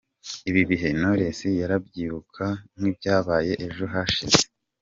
Ibi bihe Knowless arabyibuka nk’ibyabaye ejo hashize.